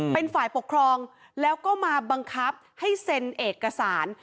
เป็นฝ่ายปกครองแล้วก็มาบังคับให้เซ็นเอกสาร